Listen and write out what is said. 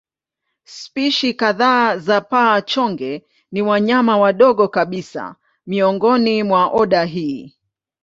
Spishi kadhaa za paa-chonge ni wanyama wadogo kabisa miongoni mwa oda hii.